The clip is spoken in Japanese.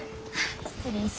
失礼します。